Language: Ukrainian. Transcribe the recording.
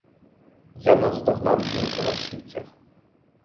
Я наздогнав жінку на східцях.